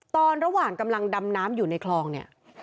ตอนระหว่างกำลังดำน้ำอยู่ในคลองเนี่ย